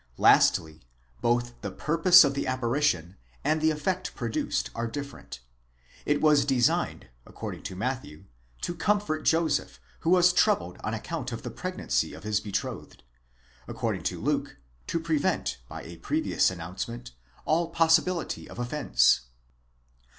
Lastly, both the purpose of the apparition and the effect produced are differ ent; it was designed, according to Matthew, to comfort Joseph, who was troubled on account of the pregnancy of his betrothed : according to Luke to prevent, by a previous announcement, all possibility of offence.